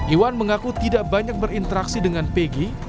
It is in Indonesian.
iwan mengaku tidak banyak berinteraksi dengan pegi